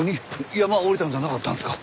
山下りたんじゃなかったんですか？